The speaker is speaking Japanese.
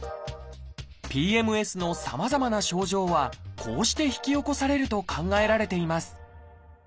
ＰＭＳのさまざまな症状はこうして引き起こされると考えられています。